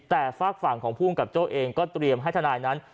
แต่ฝากฝั่งของภูมิกับโจ้เองก็เตรียมให้ทนายนั้น